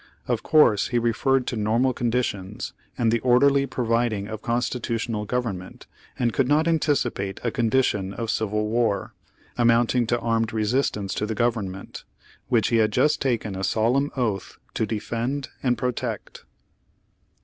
Of course he referred to normal condi tions, and the orderly providing of constitutional government, and could not anticipate a condition of civil war, amounting to armed resistance to the Government, which he had just taken a solemn oath to defend and protect.